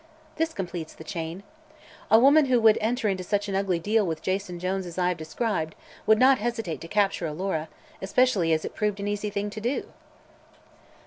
This completes the chain. A woman who would enter into such an ugly deal with Jason Jones as I have described would not hesitate to capture Alora, especially as it proved an easy thing to do."